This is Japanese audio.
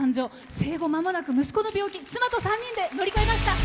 生後まもなく息子の病気妻と３人で乗り越えました。